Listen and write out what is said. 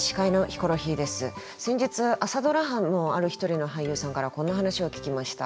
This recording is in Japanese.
先日朝ドラ班のある一人の俳優さんからこんな話を聞きました。